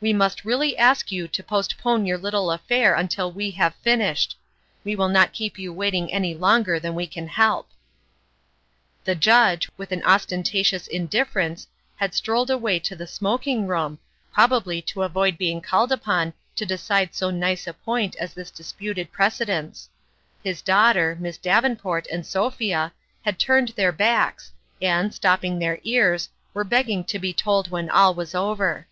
We must really ask you to postpone your little affair until we have finished. We will not keep you waiting any longer than we can help." The Judge, with an ostentatious indiffer ence, had strolled away to the smoking room, probably to avoid being called upon to decide so nice a point as this disputed precedence ; his daughter, Miss Davenport, and Sophia, had turned their backs, and, stopping their ears, were begging to be told when all was over.